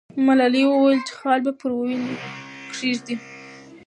ملالۍ وویل چې خال به پر وینو کښېږدي.